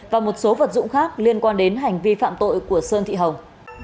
và một số vật dụng khác liên quan đến hành vi phạm tội của sơn thị hồng